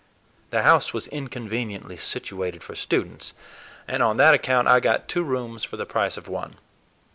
The house was inconveniently situated for students, and on that account I got two rooms for the price of one.